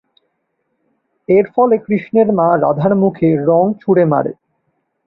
এর ফলে কৃষ্ণের মা রাধার মুখে রঙ ছুড়ে মারে।